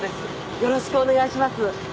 よろしくお願いします